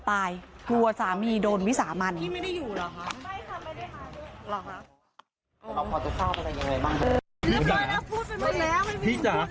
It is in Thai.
ปี๖๕วันเกิดปี๖๔ไปร่วมงานเช่นเดียวกัน